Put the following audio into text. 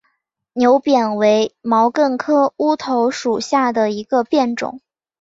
牛扁为毛茛科乌头属下的一个变种。